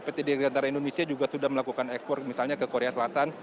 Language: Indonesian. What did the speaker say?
pt dirgantara indonesia juga sudah melakukan ekspor misalnya ke korea selatan